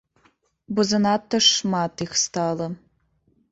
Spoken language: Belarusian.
Бо занадта ж шмат іх стала.